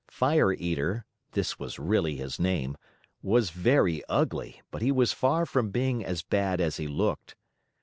Fire Eater (this was really his name) was very ugly, but he was far from being as bad as he looked.